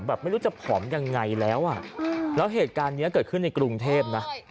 ไม่รู้จะผอมยังไงแล้วอ่ะแล้วเหตุการณ์นี้เกิดขึ้นในกรุงเทพนะ